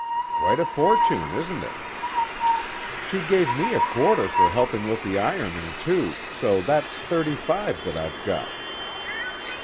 "Quite a fortune, isn't it?" "She gave me a quarter for helping with the ironing, too, so that's thirty five that I've got."